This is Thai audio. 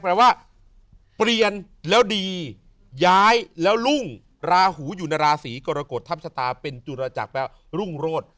แปลว่าเปลี่ยนแล้วดีย้ายแล้วรุ่งราหูอยู่ในราศีกรกฎทัพชะตาเป็นจุรจักรแปลว่ารุ่งโรศ